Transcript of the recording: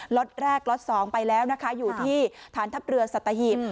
ล็อตแรกล็อต๒ไปแล้วนะคะอยู่ที่ฐานทัพเรือสัตหีบ